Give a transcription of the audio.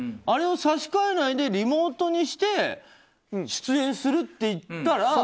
あれを差し替えないでリモートにして出演するって言ったら。